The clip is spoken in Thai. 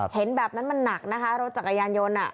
เห็นแบบนั้นมันหนักนะคะรถจักรยานยนต์